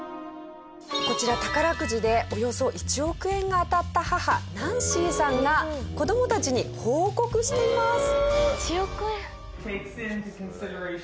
こちら宝くじでおよそ１億円が当たった母ナンシーさんが子供たちに報告しています。